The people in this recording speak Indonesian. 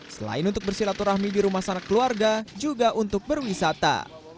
selain untuk bersilaturahmi di rumah sanak keluarga juga untuk berwisata